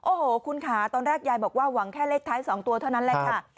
โอ้โหคุณค่ะตอนแรกยายบอกว่าหวังแค่เลขท้าย๒ตัวเท่านั้นแหละค่ะ